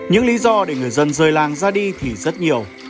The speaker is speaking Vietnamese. những lý do để người dân rời làng ra đi thì rất nhiều